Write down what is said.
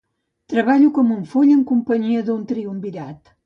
Treballo com un foll en companyia d'un triumvirat.